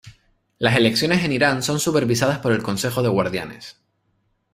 Las elecciones en Irán son supervisadas por el Consejo de Guardianes.